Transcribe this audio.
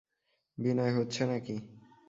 বিনয় হচ্ছে না কি?